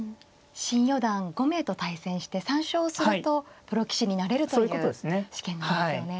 新四段５名と対戦して３勝するとプロ棋士になれるという試験なんですよね。